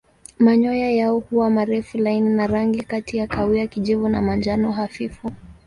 Manyoya yao huwa marefu laini na rangi kati ya kahawia kijivu na manjano hafifu.